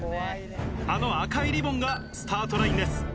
あの赤いリボンがスタートラインです。